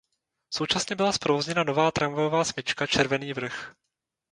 Současně byla zprovozněna nová tramvajová smyčka Červený Vrch.